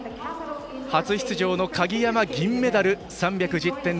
初出場の鍵山、銀メダル。